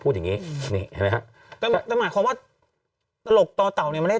อย่างงี้นี่เห็นไหมฮะก็หมายความว่าตลกต่อเต่าเนี่ยไม่ได้